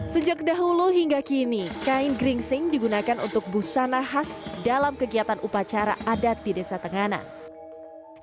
sejak dahulu hingga kini kain geringsing digunakan untuk busana khas dalam kegiatan upacara adat di desa tenganan